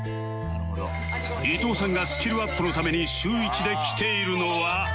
伊藤さんがスキルアップのために週１で来ているのは